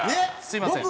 すみません。